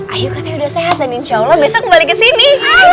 ayu katanya udah sehat dan insya allah besok kembali ke sini